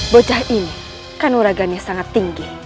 bocah ini kanuragannya sangat tinggi